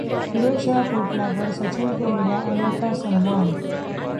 फिरोजशाह कोटला पर सचिन को मिला अनोखा 'सम्मान'